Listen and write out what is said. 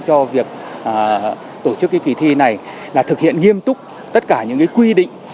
cho việc tổ chức cái kỳ thi này là thực hiện nghiêm túc tất cả những quy định